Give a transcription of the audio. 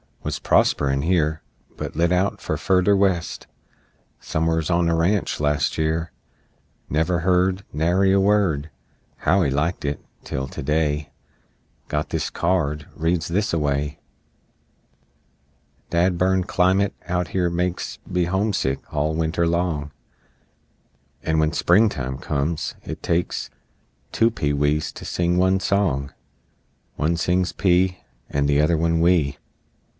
Wuz prosper'n here, But lit out on furder West Somers on a ranch, last year: Never heard Nary a word How he liked it, tel to day, Got this card, reads thisaway: "Dad burn climate out here makes Me homesick all Winter long, And when Springtime comes, it takes Two pee wees to sing one song, One sings 'pee' And the other one 'wee!'